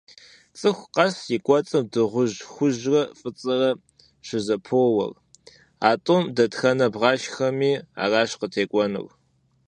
Цӏыху къэс и кӏуэцӏым дыгъужь хужьрэ фӏыцӏэрэ щызэпоуэр. А тӏум дэтхэнэр бгъашхэми, аращ текӏуэнур.